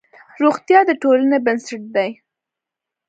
روغتیا د ټولنې بنسټ دی.